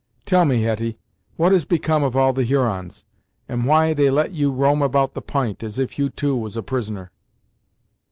Tell me, Hetty, what has become of all the Hurons, and why they let you roam about the p'int as if you, too, was a prisoner?"